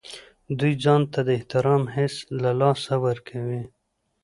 دوی ځان ته د احترام حس له لاسه ورکوي.